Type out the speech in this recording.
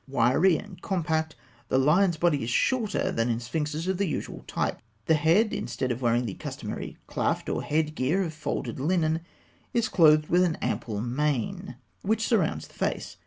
Wiry and compact, the lion body is shorter than in sphinxes of the usual type. The head, instead of wearing the customary "klaft," or head gear of folded linen, is clothed with an ample mane, which also surrounds the face.